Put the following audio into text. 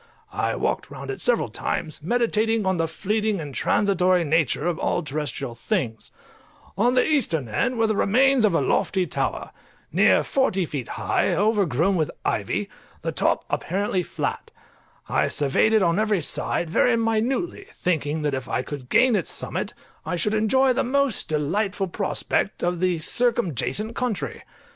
I walked round it several times, meditating on the fleeting and transitory nature of all terrestrial things; on the eastern end were the remains of a lofty tower, near forty feet high, overgrown with ivy, the top apparently flat; I surveyed it on every side very minutely, thinking that if I could gain its summit I should enjoy the most delightful prospect of the circumjacent country.